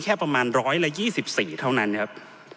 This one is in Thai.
แค่ประมาณร้อยละ๒๔เท่านั้นครับ